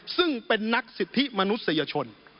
ซึ่งเป็นนักสิทธิมนุษยชน